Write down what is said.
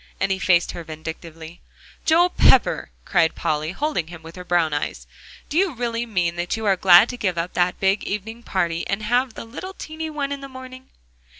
and he faced her vindictively. "Joel Pepper!" cried Polly, holding him with her brown eyes, "do you really mean that you are glad to give up that big evening party, and have the little teeny one in the morning?"